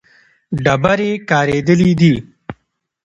ډبرې کارېدلې دي.